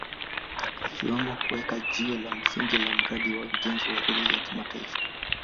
ikiwemo kuweka jiwe la msingi la mradi wa ujenzi wa reli ya kimataifa